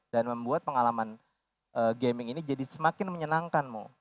dan membuat pengalaman gaming ini jadi semakin menyenangkan mo